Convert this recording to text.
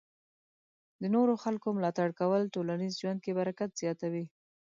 د نورو خلکو ملاتړ کول ټولنیز ژوند کې برکت زیاتوي.